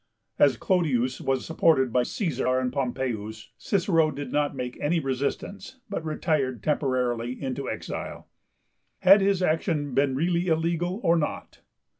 As Clodius was supported by Caesar and Pompeius, Cicero did not make any resistance, but retired temporarily into exile. Had his action been really illegal or not?